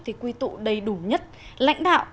thì quy tụ đầy đủ nhất lãnh đạo